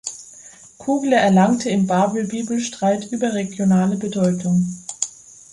Kugler erlangte im "Babel-Bibel-Streit" überregionale Bedeutung.